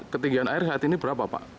ketinggian air saat ini berapa pak